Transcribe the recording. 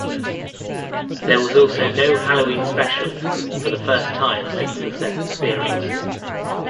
There was also no Halloween Special for the first time since the seventh series.